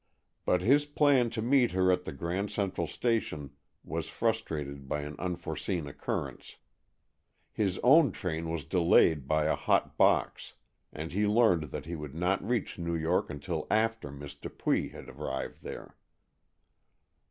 But his plan to meet her at the Grand Central Station was frustrated by an unforeseen occurrence. His own train was delayed by a hot box, and he learned that he would not reach New York until after Miss Dupuy had arrived there.